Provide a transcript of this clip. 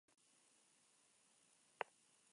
Fue autor de "Gente Nueva.